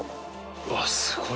うわっすごい。